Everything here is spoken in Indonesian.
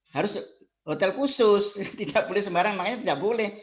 harus hotel khusus tidak boleh sembarang makanya tidak boleh